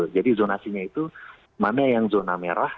jadi zonasinya itu mana yang zona merah